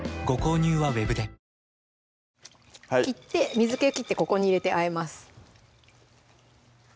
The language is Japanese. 水気切ってここに入れてあえます